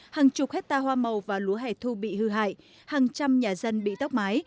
hàng chục hectare hoa màu và lúa hẻ thu bị hư hại hàng trăm nhà dân bị tốc mái